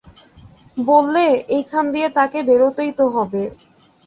বললে, এইখান দিয়ে তাকে বেরোতেই তো হবে।